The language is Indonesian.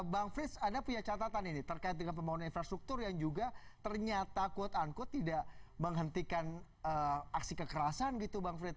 bang frits anda punya catatan ini terkait dengan pembangunan infrastruktur yang juga ternyata quote unquote tidak menghentikan aksi kekerasan gitu bang frits